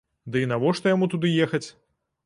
Дый навошта яму туды ехаць?